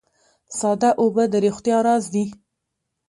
ساده اوبه د روغتیا راز دي